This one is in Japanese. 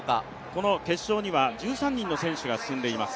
この決勝には１３人の選手が進んでいます。